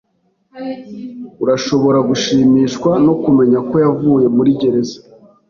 Urashobora gushimishwa no kumenya ko yavuye muri gereza.